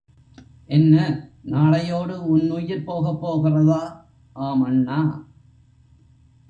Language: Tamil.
என்ன, நாளையோடு உன் உயிர் போகப்போகிறதா? ஆம், அண்ணா!